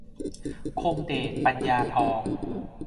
คงเดช ปัญญาทอง